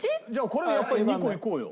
これはやっぱり２個いこうよ。